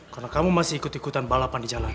karena kamu masih ikut ikutan balapan di jalanan